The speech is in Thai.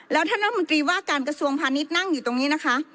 แล้วท่านรัฐมนตรีว่าการกระทรวงพาณิชย์นั่งอยู่ตรงนี้นะคะ